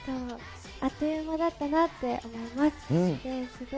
あっという間だったなって思います。